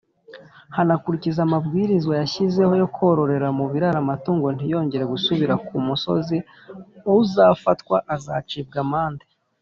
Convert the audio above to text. hanakurikizwa amabwiriza yashyizweho yo kororera mu biraro amatungo ntiyongera gusubira ku musozi uzafatwa azacibwa amande.